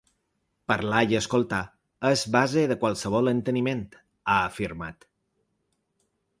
Parlar i escoltar és base de qualsevol enteniment, ha afirmat.